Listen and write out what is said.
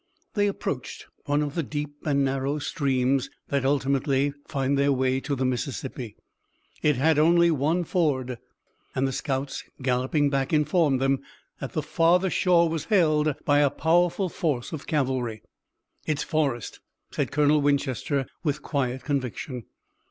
They approached one of the deep and narrow streams that ultimately find their way to the Mississippi. It had only one ford, and the scouts galloping back informed them that the farther shore was held by a powerful force of cavalry. "It's Forrest," said Colonel Winchester with quiet conviction.